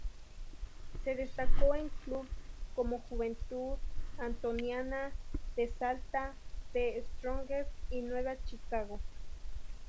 Se destacó en clubes como Juventud Antoniana de Salta, The Strongest y Nueva Chicago.